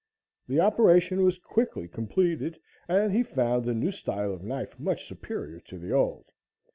The operation was quickly completed, and he found the new style of knife much superior to the old.